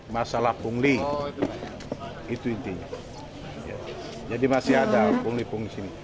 masalah pungli itu intinya jadi masih ada pungli pungli sini